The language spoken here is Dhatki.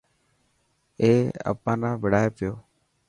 اي اپا نا وڙائي پيو.